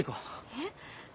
えっ？